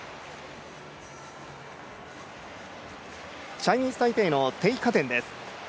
チャイニーズ・タイペイの丁華恬です。